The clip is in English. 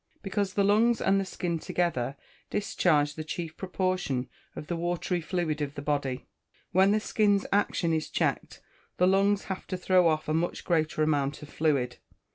_ Because the lungs and the skin together discharge the chief proportion of the watery fluid of the body. _When the skin's action is checked, the lungs have to throw off a much greater amount of fluid.